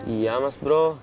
iya mas bro